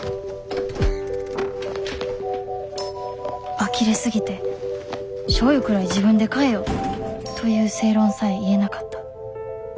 あきれ過ぎて「しょうゆくらい自分で買えよ！」という正論さえ言えなかった